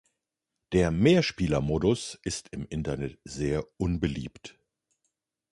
Der Mehrspieler-Modus ist im Internet sehr unbeliebt.